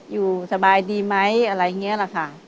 อยู่สบายดีไหมอะไรอย่างนี้แหละค่ะ